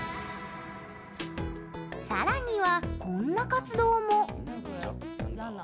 さらには、こんな活動も。